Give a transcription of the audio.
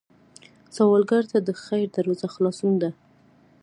سوالګر ته د خیر دروازه خلاصون ده